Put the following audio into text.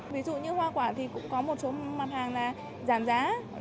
ví dụ như hoa quả thì cũng có một số mặt hàng là giảm giá